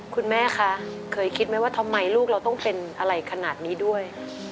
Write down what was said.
คุณแม่คะเคยคิดไหมว่าทำไมลูกเราต้องเป็นอะไรขนาดนี้ด้วย